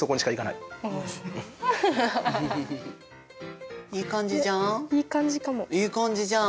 いい感じじゃん。